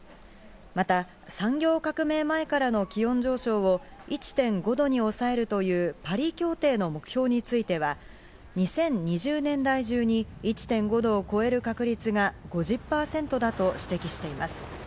また産業革命前からの気温上昇を１．５度に抑えるというパリ協定の目標については、２０２０年代中に１．５度を超える確率が５０％だと指摘しています。